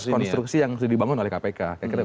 konstruksi yang sudah dibangun oleh kpk